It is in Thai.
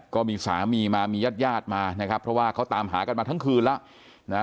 ก็มีสามีมามีญาติญาติมานะครับเพราะว่าเขาตามหากันมาทั้งคืนแล้วนะฮะ